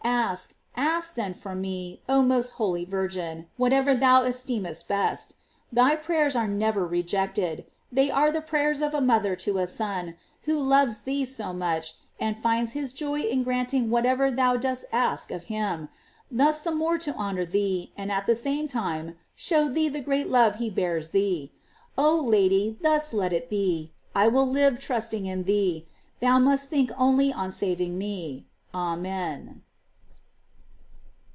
Ask, ask then for me, oh most holy Virgin, whatever thou esteemest best. Thy prayers are never rejected. They are the prayers of a mother to a Son, who loves thee so much, and finds his joy in granting whatever thou dost ask of him, thus the more to honor thee, and at the same time, show thee the great love he bears thee. Oh Lady, thus let it be. I will live trusting in thee. Thou must think only on saving me. Amen.